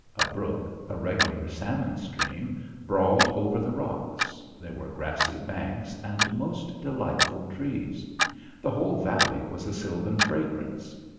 A brook, a regular salmon stream, brawled over the rocks. There were grassy banks and most delightful trees. The whole valley was a sylvan fragrance.